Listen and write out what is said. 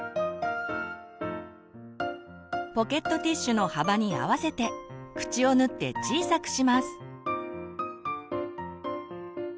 ポケットティッシュの幅に合わせて口を縫って小さくします。